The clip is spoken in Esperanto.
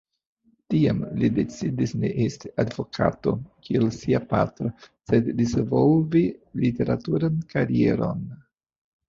Tiam, li decidis ne esti advokato, kiel sia patro, sed disvolvi literaturan karieron.